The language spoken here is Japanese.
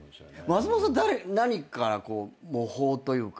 松本さん何からこう模倣というか。